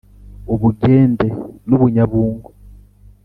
U Bugende n’u Bunyabungo,